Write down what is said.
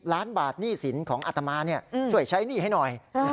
ล้านบาทหนี้สินของอัตมาช่วยใช้หนี้ให้หน่อย